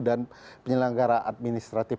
dan penyelenggara administratif